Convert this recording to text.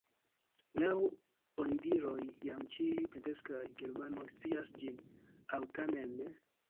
Laŭ onidiroj jam ĉiuj plenkreskaj germanoj scias ĝin – aŭ tamen ne?